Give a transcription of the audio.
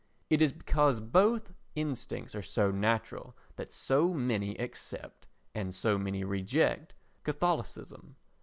It is because both instincts are so natural that so many accept and so many reject Catholicism.